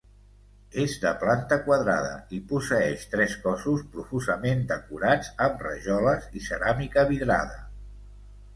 És de planta quadrada i posseeix tres cossos profusament decorats amb rajoles i ceràmica vidrada.